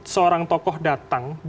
seorang tokoh datang